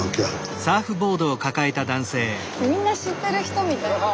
みんな知ってる人みたい。